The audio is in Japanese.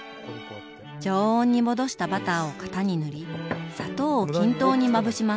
常温に戻したバターを型に塗り砂糖を均等にまぶします。